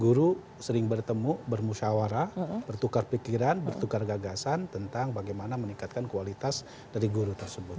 guru sering bertemu bermusyawara bertukar pikiran bertukar gagasan tentang bagaimana meningkatkan kualitas dari guru tersebut